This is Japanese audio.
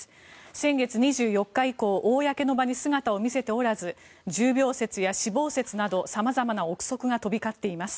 先月２４日以降公の場に姿を見せておらず重病説や死亡説など様々な臆測が飛び交っています。